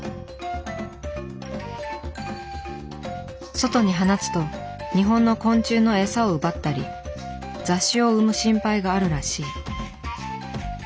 外に放つと日本の昆虫の餌を奪ったり雑種を産む心配があるらしい。